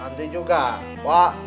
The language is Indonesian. nanti juga wak